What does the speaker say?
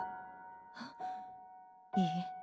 あっいいえ。